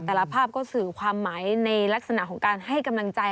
ภาพก็สื่อความหมายในลักษณะของการให้กำลังใจ